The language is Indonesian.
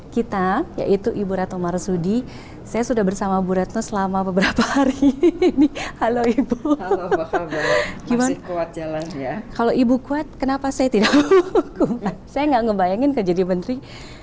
kalau ibu kuat kenapa saya tidak kuat saya tidak membayangkan kerja di menteri